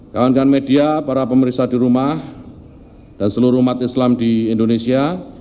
kawan kawan media para pemeriksa di rumah dan seluruh umat islam di indonesia